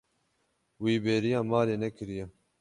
Wî bêriya malê nekiriye.